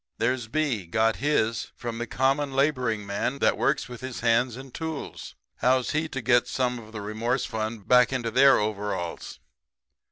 "There's B got his from the common laboring man that works with his hands and tools. How's he to get some of the remorse fund back into their overalls?